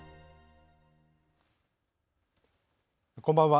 こんばんは。